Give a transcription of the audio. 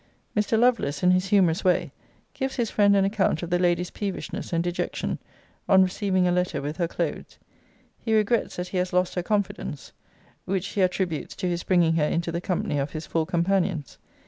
Mr. Lovelace, in his humourous way, gives his friend an account of the Lady's peevishness and dejection, on receiving a letter with her clothes. He regrets that he has lost her confidence; which he attributes to his bringing her into the company of his four companions.